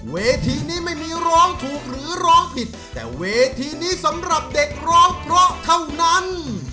เวทีนี้ไม่มีร้องถูกหรือร้องผิดแต่เวทีนี้สำหรับเด็กร้องเพราะเท่านั้น